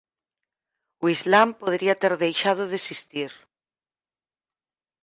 O islam podería ter deixado de existir.